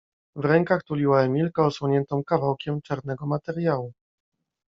W rękach tuliła Emilkę, osłoniętą kawałkiem czarnego materiału.